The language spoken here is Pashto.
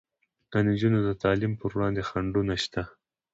د نجونو د تعلیم پر وړاندې خنډونه شته.